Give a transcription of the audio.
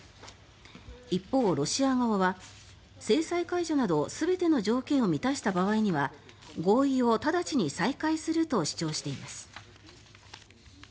一方、ロシア側は制裁解除など全ての条件を満たした場合には合意を直ちに再開すると主張しています。